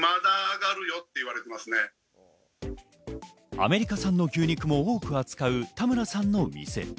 アメリカ産の牛肉も多く扱う、たむらさんの店。